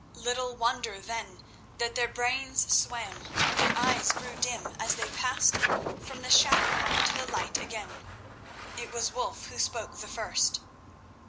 Little wonder, then, that their brains swam, and their eyes grew dim, as they passed from the shadow to the light again. It was Wulf who spoke the first.